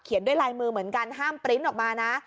ด้วยลายมือเหมือนกันห้ามปริ้นต์ออกมานะ